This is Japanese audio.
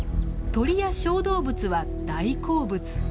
鳥や小動物は大好物。